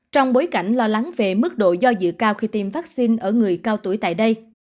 trong bối cảnh lo lắng về mức độ do dự cao khi tiêm vaccine ở người cao tuổi tại đây